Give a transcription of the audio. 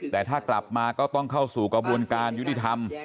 แต่ถ้ากลับมาก็ต้องเข้าสู่กระบวนการยุติธรรม